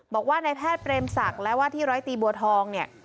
บอกว่าในแพทย์เปรมศักดิ์และว่าที่ร้อยตีบัวทองเนี่ย